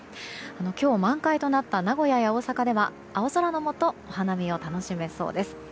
今日、満開となった名古屋や大阪では青空のもとお花見を楽しめそうです。